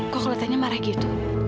kok kelihatannya marah gitu